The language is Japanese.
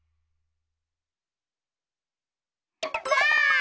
ばあっ！